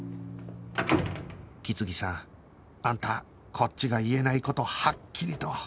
木次さんあんたこっちが言えない事はっきりと